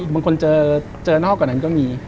บางคนเจอนอกกว่านั้นก็มี